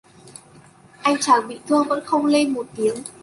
Anh chàng bị thương vẫn không lên một tiếng